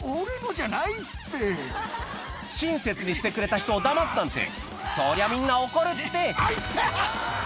親切にしてくれた人をだますなんてそりゃみんな怒るってあ痛っ！